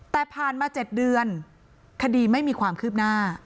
แต่ผ่านมา๗เดือนคดีไม่มีความคืบหน้า